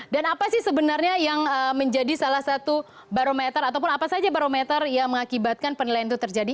dan apa sih sebenarnya yang menjadi salah satu barometer ataupun apa saja barometer yang mengakibatkan penilaian itu terjadi